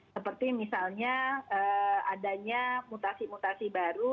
seperti misalnya adanya mutasi mutasi baru